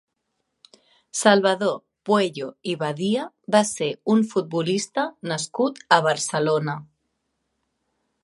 Salvador Pueyo i Badia va ser un futbolista nascut a Barcelona.